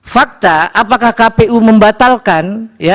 fakta apakah kpu membatalkan